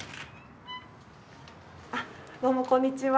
あっどうもこんにちは。